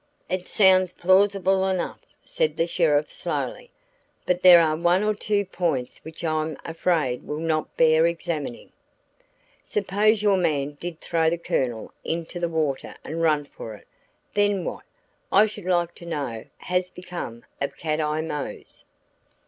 "It sounds plausible enough," said the sheriff slowly, "but there are one or two points which I'm afraid will not bear examining. Suppose your man did thrown the Colonel into the water and run for it, then what, I should like to know, has become of Cat Eye Mose?"